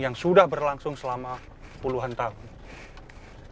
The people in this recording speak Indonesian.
yang sudah berlangsung selama puluhan tahun